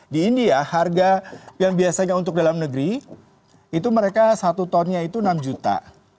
di india harga yang biasanya untuk dalam negeri itu mereka satu tonnya itu enam juta